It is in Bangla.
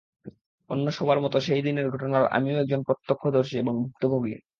অন্য সবার মতো সেই দিনের ঘটনার আমিও একজন প্রত্যক্ষদর্শী এবং ভুক্তভোগী।